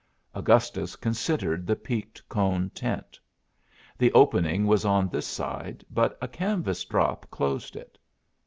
Augustus considered the peaked cone tent. The opening was on this side, but a canvas drop closed it.